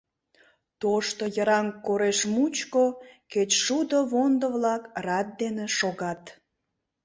Тошто йыраҥ кореш мучко кечшудо вондо-влак рат дене шогат.